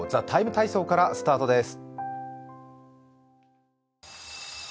「ＴＨＥＴＩＭＥ，体操」からスタートです。